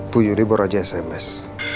bu yuri baru aja sms